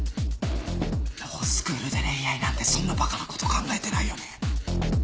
ロースクールで恋愛なんてそんなバカなこと考えてないよね？